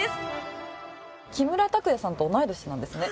木村拓哉さんと同い年なんですね？